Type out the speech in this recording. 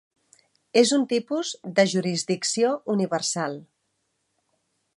És un tipus de jurisdicció universal.